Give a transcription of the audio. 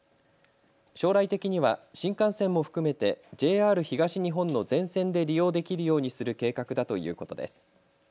将来的には新幹線も含めてＪＲ東日本の全線で利用できるようにする計画だということです。